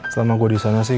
selama gue disana sih